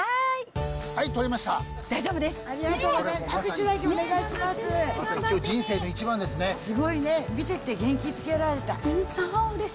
大丈夫です。